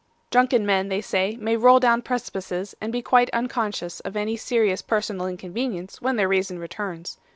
Drunken men, they say, may roll down precipices, and be quite unconscious of any serious personal inconvenience when their reason returns.